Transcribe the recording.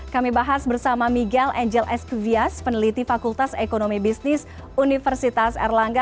kami bahas bersama migal angel esquias peneliti fakultas ekonomi bisnis universitas erlangga